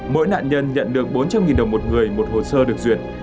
mỗi nạn nhân nhận được bốn trăm linh đồng một người một hồ sơ được duyệt